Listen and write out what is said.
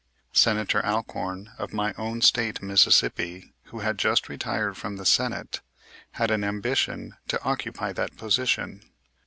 Senator Alcorn, of my own State, Mississippi, who had just retired from the Senate, had an ambition to occupy that position.